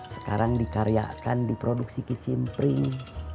sekarang dikaryakan di produksi kicim pring